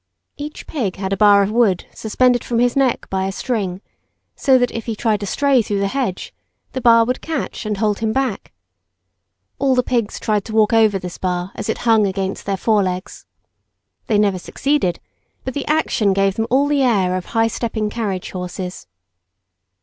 Each pig had a bar of wood suspended from his neck by a string, so that if he tried to stray through the hedge, the bar would catch and hold him back. All the pigs tried to walk over this bar as it hung against their forelegs. They never succeeded; but the action gave them all the air of high stepping carriage horses.